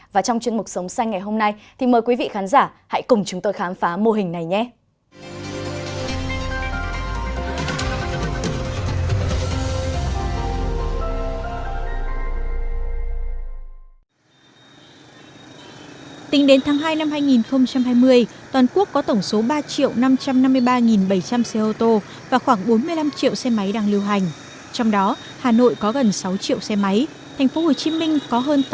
và trong chuyên mục sống xanh ngày hôm nay thì mời quý vị khán giả hãy cùng chúng tôi khám phá mô hình này nhé